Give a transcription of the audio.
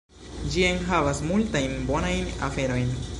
Ĝi enhavas multajn bonajn aferojn.